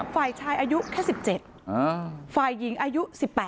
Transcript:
ฝ่ายชายอายุแค่๑๗ฝ่ายหญิงอายุ๑๘